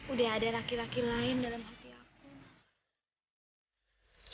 udah ada laki laki lain dalam hati aku